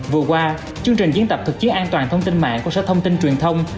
vừa qua chương trình diễn tập thực chí an toàn thông tin mạng của sở thông tin truyền thông